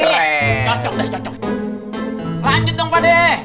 lanjut dong pak dek